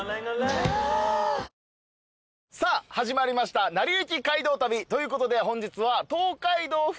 ぷはーっさあ始まりました『なりゆき街道旅』ということで本日は。